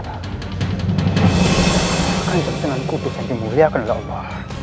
aku harus segera ke sana